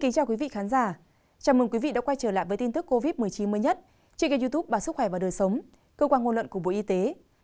chào mừng quý vị đã quay trở lại với tin tức covid một mươi chín mới nhất trên kênh youtube bà sức khỏe và đời sống cơ quan ngôn luận của bộ y tế